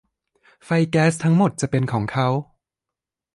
ไฟแก๊สทั้งหมดจะเป็นของเขา